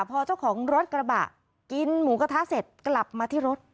พอเจ้าของรถกระบะกินหมูกระทะเสร็จกลับมาที่รถ